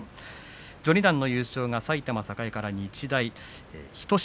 序二段の優勝が埼玉栄から日大日翔志。